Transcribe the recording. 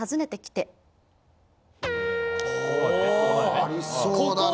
・ありそうだな・